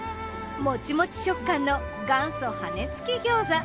もちもち食感の元祖羽根付き餃子。